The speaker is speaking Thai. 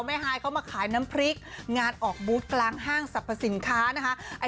ฮายเขามาขายน้ำพริกงานออกบูธกลางห้างสรรพสินค้านะคะ